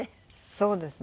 そうですね。